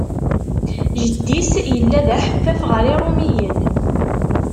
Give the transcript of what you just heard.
Jeddi-s yella d aḥeffaf ɣer Iṛumiyen.